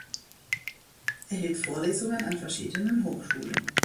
Er hielt Vorlesungen an verschiedenen Hochschulen.